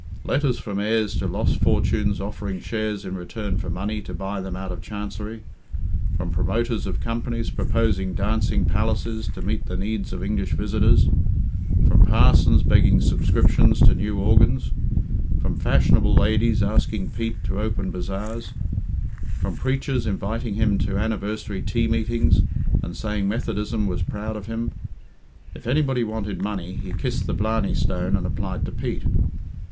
Letters from heirs to lost fortunes offering shares in return for money to buy them out of Chancery; from promoters of companies proposing dancing palaces to meet the needs of English visitors; from parsons begging subscriptions to new organs; from fashionable ladies asking Pete to open bazaars; from preachers inviting him to anniversary tea meetings, and saying Methodism was proud of him. If anybody wanted money, he kissed the Blarney Stone and applied to Pete.